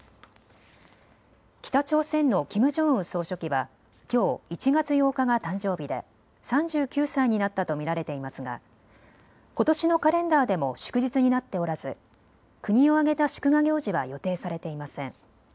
北朝鮮のキム・ジョンウン総書記はきょう１月８日が誕生日で３９歳になったと見られていますが、ことしのカレンダーでも祝日になっておらず国を挙げた祝賀行事は予定されていません。